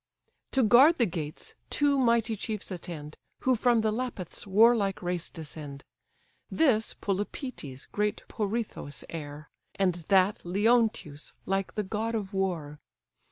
To guard the gates, two mighty chiefs attend, Who from the Lapiths' warlike race descend; This Polypœtes, great Perithous' heir, And that Leonteus, like the god of war.